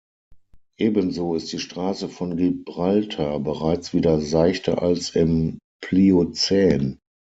Ebenso ist die Straße von Gibraltar bereits wieder seichter als im Pliozän.